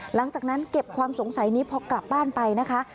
หลังจากนั้นเก็บความสงสัยนี้พอกลับบ้านไปนะคะ